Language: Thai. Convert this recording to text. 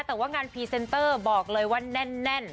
แต่ว่างานพรีเซนเตอร์บอกเลยว่าแน่น